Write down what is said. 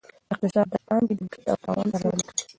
اقتصاد د پانګې د ګټې او تاوان ارزونه کوي.